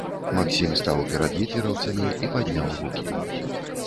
Максім стаў перад гітлераўцамі і падняў рукі.